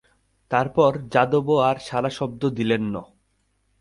তারপর যাদবও আর সাড়াশব্দ দিলেন ন।